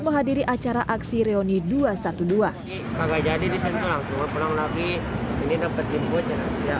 menghadiri acara aksi reoni dua ratus dua belas tidak jadi disitu langsung pulang lagi ini dapat input ya